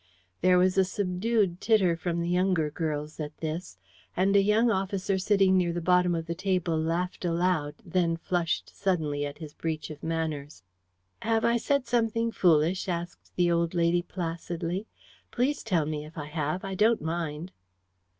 There was a subdued titter from the younger girls at this, and a young officer sitting near the bottom of the table laughed aloud, then flushed suddenly at his breach of manners. "Have I said something foolish?" asked the old lady placidly. "Please tell me if I have I don't mind."